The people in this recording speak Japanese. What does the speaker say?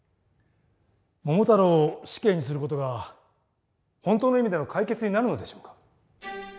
桃太郎を死刑にすることが本当の意味での解決になるのでしょうか。